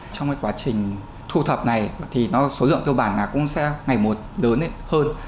trong quá trình thu thập này số lượng tiêu bản cũng sẽ ngày một lớn hơn